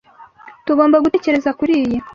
Tugomba gutekereza kuri iyi.